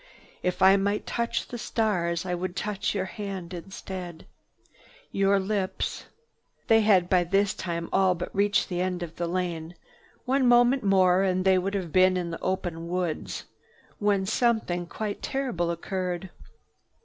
If I might touch the stars I would touch your hand instead. Your lips—" They had by this time all but reached the end of the lane. One moment more, and they would have been in the open woods, when something quite terrible occurred.